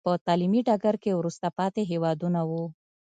په تعلیمي ډګر کې وروسته پاتې هېوادونه وو.